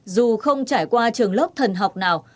dù không trải qua trường lớp thần học nào